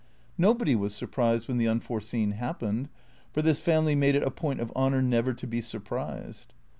Nobody was sur prised when the unforeseen happened; for this family made it a point of honour never to be surprised.